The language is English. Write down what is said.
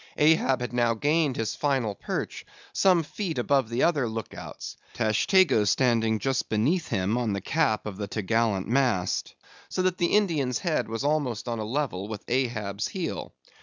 Ahab had now gained his final perch, some feet above the other look outs, Tashtego standing just beneath him on the cap of the top gallant mast, so that the Indian's head was almost on a level with Ahab's heel.